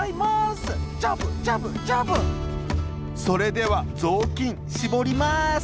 それではぞうきんしぼりまーす